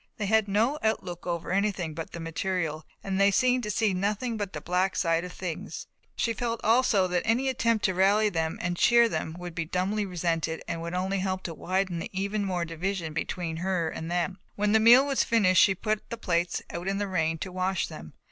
They had no outlook over anything but the material and they seemed to see nothing but the black side of things. She felt also that any attempt to rally them and cheer them would be dumbly resented and would only help to widen even more the division between her and them. When the meal was finished she put the plates out in the rain to wash them.